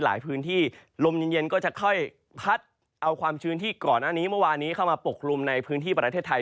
หลายพื้นที่ลมเย็นก็จะค่อยพัดเอาความชื้นที่ก่อนหน้านี้เมื่อวานี้เข้ามาปกคลุมในพื้นที่ประเทศไทย